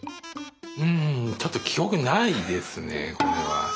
うんちょっと記憶にないですねこれは。